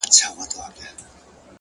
تمرکز نتیجه چټکوي